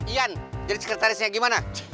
ian jadi sekretarisnya gimana